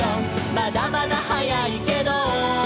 「まだまだ早いけど」